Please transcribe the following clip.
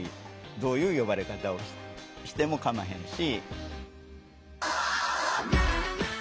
どういう呼ばれ方をしてもかまへんし。